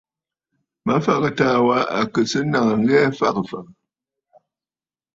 Mafàgə̀ taà wa à kɨ̀ sɨ́ nàŋə̀ ŋghɛɛ fagə̀ fàgə̀.